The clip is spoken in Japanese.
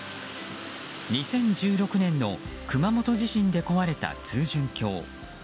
２０１６年の熊本地震で壊れた通潤橋。